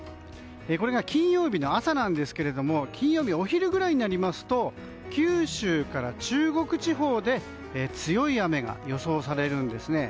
金曜日の朝なんですけど金曜日、お昼ぐらいになりますと九州から中国地方で強い雨が予想されるんですね。